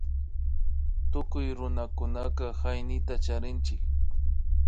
Tukuy runakunaka hayñita charinchik